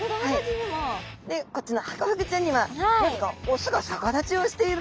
でこっちのハコフグちゃんにはなぜか雄が逆立ちをしているっていう。